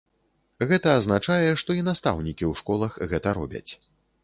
Гэта азначае, што і настаўнікі ў школах гэта робяць.